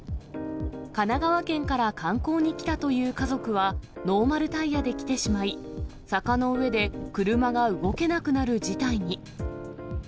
神奈川県から観光に来たという家族は、ノーマルタイヤで来てしまい、坂の上で車が動けなくなる事態に。